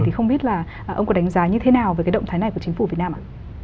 thì không biết là ông có đánh giá như thế nào về cái động thái này của chính phủ việt nam ạ